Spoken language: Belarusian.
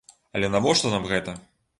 Але навошта нам гэта?